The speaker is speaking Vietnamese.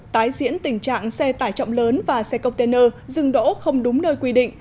tái diễn tình trạng xe tải trọng lớn và xe container dừng đỗ không đúng nơi quy định